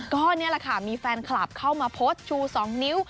ก็นี่แหละค่ะมีแฟนคลับเข้ามาโพสต์ชู๒นิ้ว